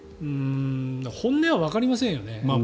本音はわかりませんよね。